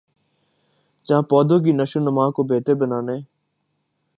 جہاں پودوں کی نشوونما کو بہتر بنانے